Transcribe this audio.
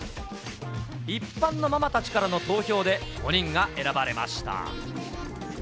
一般のママたちからの投票で、５人が選ばれました。